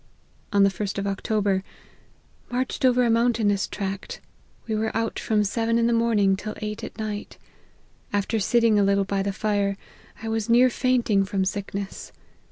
On the 1st of October, " Marched over a moun tainous tract : we were out from seven in the morn ing till eight at night. After sitting a little by the fire, I was near fainting from sickness.